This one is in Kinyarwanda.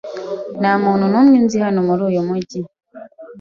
Nta muntu n'umwe nzi hano muri uyu mujyi.